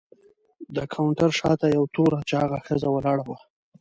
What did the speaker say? د کاونټر شاته یوه توره چاغه ښځه ولاړه وه.